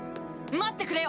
待ってくれよ！